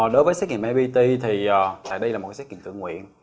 đối với xét nghiệm nipt thì đây là một xét nghiệm tự nguyện